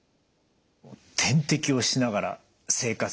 点滴をしながら生活。